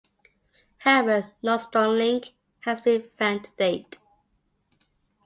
However, no strong link has been found to date.